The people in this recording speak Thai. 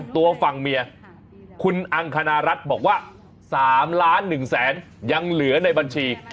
ตัวฝั่งเมียคุณอังคณรัฐบอกว่า๓ล้าน๑แสนยังเหลือในบัญชี